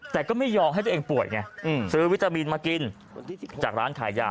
แต่ก็ไม่ยอมให้ตัวเองป่วยไงซื้อวิตามินมากินจากร้านขายยา